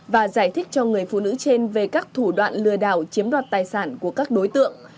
và giải thích cho người phụ nữ trên về các thủ đoạn lừa đảo chiếm đoạt tài sản của các đối tượng